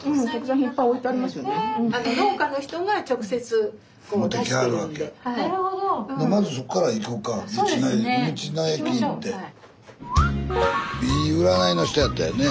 スタジオいい占いの人やったよね。